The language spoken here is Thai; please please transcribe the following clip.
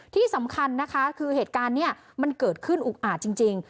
ที่สำคัญนะคะคือเหตุการณ์นี้มันเกิดขึ้นอุกอาจจริง